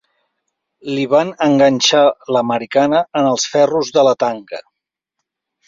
Li van enganxar l'americana en els ferros de la tanca.